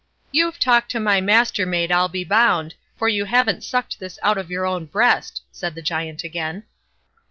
"You've talked to my Mastermaid, I'll be bound, for you haven't sucked this out of your own breast", said the Giant again.